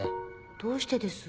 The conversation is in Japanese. どうしてです？